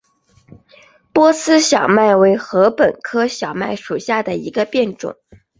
波斯小麦为禾本科小麦属下的一个变种。